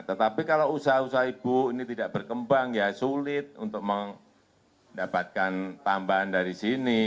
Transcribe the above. tetapi kalau usaha usaha ibu ini tidak berkembang ya sulit untuk mendapatkan tambahan dari sini